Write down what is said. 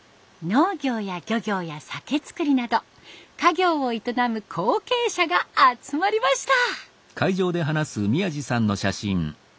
農業や漁業や酒造りなど家業を営む後継者が集まりました。